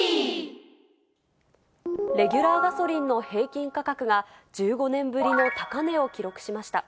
レギュラーガソリンの平均価格が、１５年ぶりの高値を記録しました。